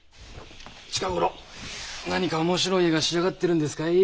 近頃何か面白い絵が仕上がってるんですかい？